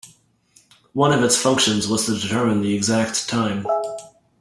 One of its functions was to determine the exact time.